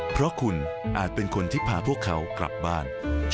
เพราะคุณอาจเป็นคนที่พาพวกเขากลับบ้าน